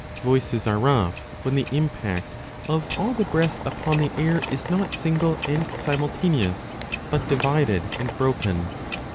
Voices are rough when the impact of all the breath upon the air is not single and simultaneous but divided and broken.